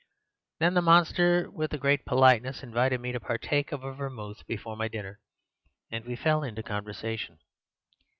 Then the monster, with great politeness, invited me to partake of a vermouth before my dinner, and we fell into conversation.